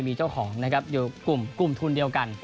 มีเจ้าของอยู่กลุ่มทุนเดียวกัน